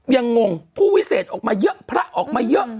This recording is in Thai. งงผู้วิเศษออกมาเยอะพระออกมาเยอะ